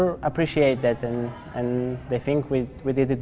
dan mereka pikir kita melakukannya dengan baik